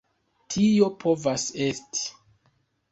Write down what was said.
Tio povos esti.